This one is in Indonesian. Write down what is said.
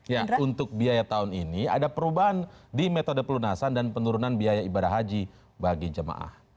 ya untuk biaya tahun ini ada perubahan di metode pelunasan dan penurunan biaya ibadah haji bagi jemaah